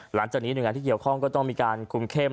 หลังจากนี้หน่วยงานที่เกี่ยวข้องก็ต้องมีการคุมเข้ม